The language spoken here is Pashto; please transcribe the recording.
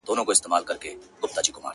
ستا د تصور تصوير كي بيا يوه اوونۍ جگړه.